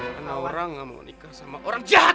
karena orang gak mau nikah sama orang jahat